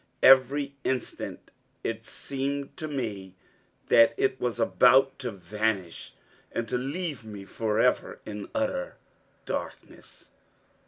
Every instant it seemed to me that it was about to vanish and to leave me forever in utter darkness!